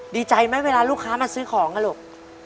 ดีใจไหมเวลาลูกค้ามาซื้อของอ่ะลูก